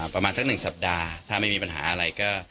ประมาณสัก๑สัปดาห์ถ้าไม่มีปัญหาอะไรก็